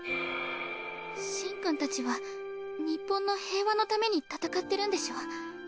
シンくんたちは日本の平和のために戦ってるんでしょ？